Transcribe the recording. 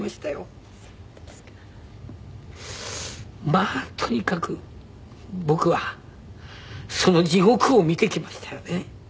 まあとにかく僕はその地獄を見てきましたよね。